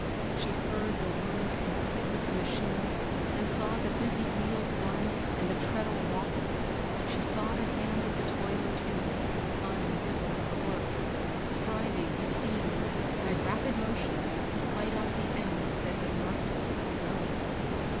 She heard the whir and dick of the ma chine and saw the busy wheels run and the treadle rock ; she saw the hands of the toiler, too, plying busily her work, — striving, it seemed, by rapid mo tion to fight off the enemy that had marked her for his own.